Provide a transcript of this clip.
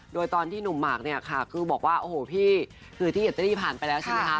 โดยตอนที่หนุ่มหมากเนี่ยค่ะคือบอกว่าโอ้โหพี่คือที่อิตาลีผ่านไปแล้วใช่ไหมคะ